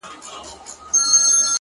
صبر د ناوخته بریا راز دی